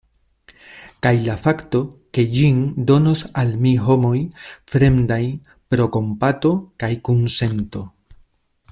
Kaj la fakto, ke ĝin donos al mi homoj fremdaj, pro kompato, pro kunsento?